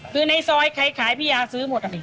คือในซอยใครขายพี่ยาซื้อหมด